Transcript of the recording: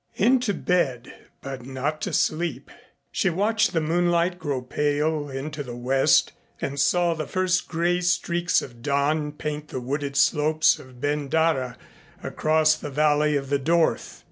Into bed, but not to sleep. She watched the moonlight grow pale into the west and saw the first gray streaks of dawn paint the wooded slopes of Ben Darrah across the valley of the Dorth.